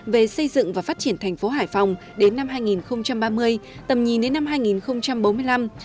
về xây dựng và phát triển thành phố hải phòng đến năm hai nghìn ba mươi tầm nhìn đến năm hai nghìn bốn mươi năm